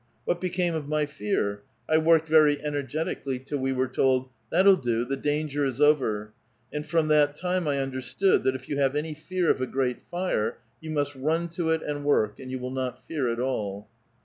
What became of my fear? I worked very energetically till we were told, "That'll do; the danger is over "; and from that time I understood that if you have any fear of a great fire, you must run to it and work, and you will not fear at all.